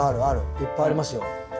いっぱいありますよ。